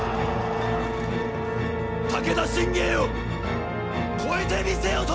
武田信玄を超えてみせよと！